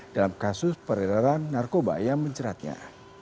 dalam kasus periratan narkoba yang menceratnya